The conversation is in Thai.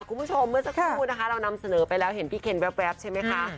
คุณผู้ชมเมื่อสักครู่นะคะเรานำเสนอไปแล้วเห็นพี่เคนแว๊บใช่ไหมคะ